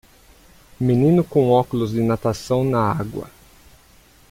Menino com óculos de natação na água.